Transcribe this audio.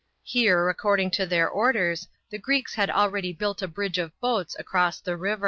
Here, according to their orders, the Greeks had already built a bridge of boats, across the river.